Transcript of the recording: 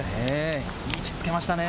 いい位置につけましたね。